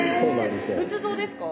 仏像ですか？